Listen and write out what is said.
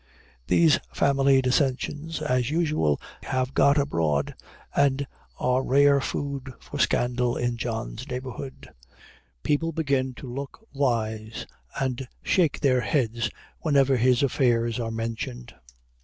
These family dissensions, as usual, have got abroad, and are rare food for scandal in John's neighborhood. People begin to look wise, and shake their heads, whenever his affairs are mentioned.